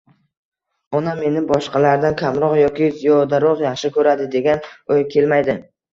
«onam meni boshqalardan kamroq yoki ziyodaroq yaxshi ko'radi», — degan o'y kelmaydi.